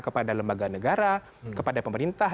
kepada lembaga negara kepada pemerintah